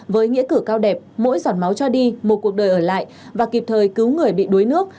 với nghĩa cử cao đẹp mỗi giọt máu cho đi một cuộc đời ở lại và kịp thời cứu người bị đuối nước